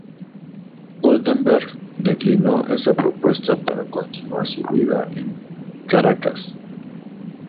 Goldenberg declinó esa propuesta para continuar su vida en Caracas.